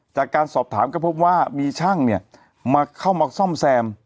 จากการสอบถามก็พบว่ามีช่างเนี่ยมาเข้ามาซ่อมแซม